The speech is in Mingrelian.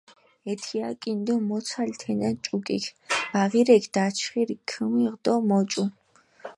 ეთიაკინ დო მოცალჷ თენა ჭუკიქ, ბაღირექ დაჩხირი ქჷმიღუ დო მოჭუ.